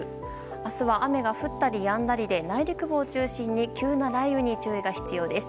明日は雨が降ったりやんだりで内陸部を中心に急な雷雨に注意が必要です。